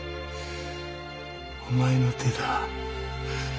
お前の手だ。